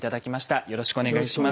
よろしくお願いします。